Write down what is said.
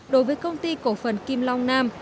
đối với công ty cổ phần kim long nam